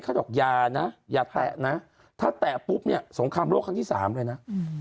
เขาบอกอย่านะอย่าแตะนะถ้าแตะปุ๊บเนี่ยสงครามโลกครั้งที่สามเลยนะ